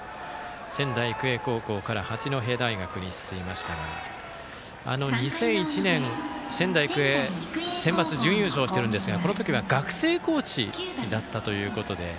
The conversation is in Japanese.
仙台育英高校から八戸大学に進みましたが２００１年、仙台育英センバツ準優勝してるんですがこの時は学生コーチだったということで。